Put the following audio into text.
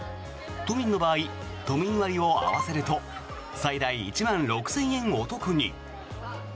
都民の場合、都民割を合わせると最大１万６０００円お得に。